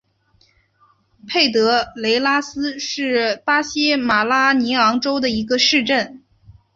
佩德雷拉斯是巴西马拉尼昂州的一个市镇。